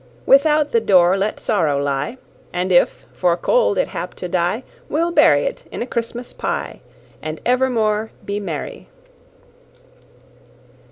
Without the door let sorrow lie, And if, for cold, it hap to die, We'll bury't in a Christmas pye, And evermore be merry.